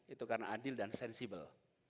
itu karena adil dan sensibel